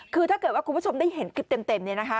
คือถ้าเกิดว่าคุณผู้ชมได้เห็นคลิปเต็มเนี่ยนะคะ